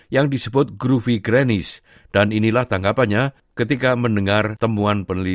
yang mencari kaki untuk transportasi